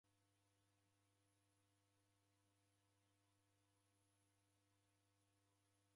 W'ana w'amu ndew'ioghagha